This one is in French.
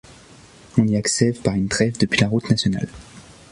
On y accède par une drève depuis la route nationale.